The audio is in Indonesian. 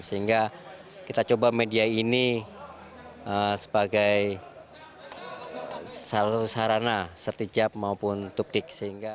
sehingga kita coba media ini sebagai salah satu sarana setijab maupun tukdik